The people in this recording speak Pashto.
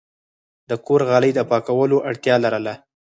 د کور غالی د پاکولو اړتیا لرله.